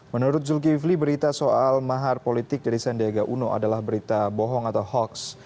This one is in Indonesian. menurut zulkifli berita soal mahar politik dari sandiaga uno adalah berita bohong atau hoaks